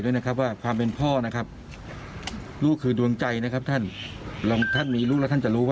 ว่าอู๋ทำกับลูกเขาขนาดนี้เลยเหรอ